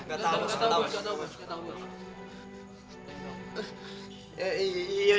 gak tau mas